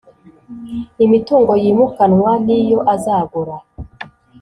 Imitungo yimukanwa niyo azagura.